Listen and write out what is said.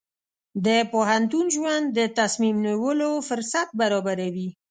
د پوهنتون ژوند د تصمیم نیولو فرصت برابروي.